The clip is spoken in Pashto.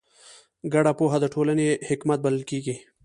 ګډه پوهه د ټولنې حکمت بلل کېږي.